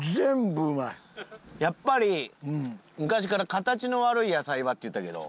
やっぱり昔から「形の悪い野菜は」って言ったけど。